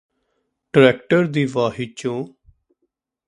tractor ਦੀ ਵਾਹੀ ਚੋਂ